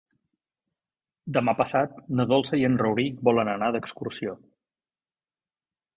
Demà passat na Dolça i en Rauric volen anar d'excursió.